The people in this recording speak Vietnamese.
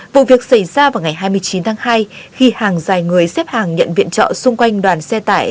vụ việc xảy ra vào ngày hai mươi chín tháng hai khi hàng dài người xếp hàng nhận viện trợ xung quanh đoàn xe tải